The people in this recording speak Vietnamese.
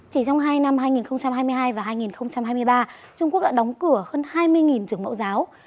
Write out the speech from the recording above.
chỉ trong hai năm hai nghìn hai mươi hai và hai nghìn hai mươi ba trung quốc đã đóng cửa hơn hai mươi trường mẫu giáo